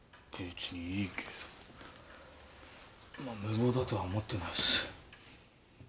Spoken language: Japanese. まあ無謀だとは思ってないし。